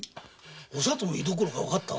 お里の居どころが分かった？